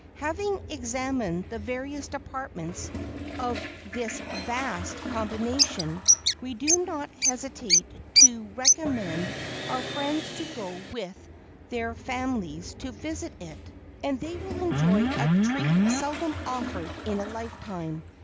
Having examined the various departments of this vast combination, we do not hesitate to recommend our friends to go with their families to visit it, and they will enjoy a treat seldom offered in a lifetime.